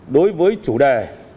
đối với chủ đề